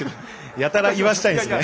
やたら言わせたいんですね。